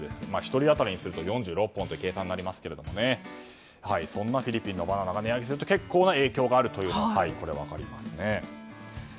１人当たりにすると４６本という計算になりますがそんなフィリピンのバナナが値上げすると結構な影響があるということが分かりますね。